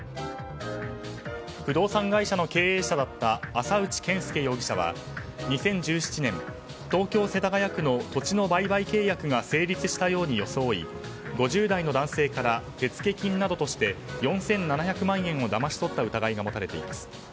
不動産会社の経営者だった浅内賢輔容疑者は２０１７年、東京・世田谷区の土地の売買契約が成立したように装い５０代の男性から手付金などとして４７００万円をだまし取った疑いが持たれています。